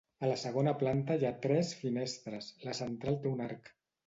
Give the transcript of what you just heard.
A la segona planta hi ha tres finestres, la central té un arc.